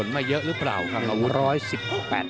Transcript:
ไม่เยอะหรือเปล่าคังอาวุธ